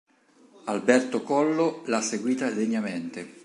Alberto Collo l'ha seguita degnamente.